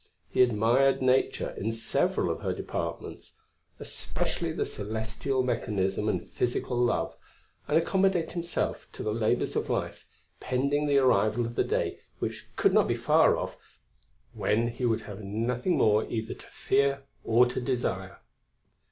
He admired Nature in several of her departments, especially the celestial mechanism and physical love, and accommodated himself to the labours of life, pending the arrival of the day, which could not be far off, when he would have nothing more either to fear or to desire.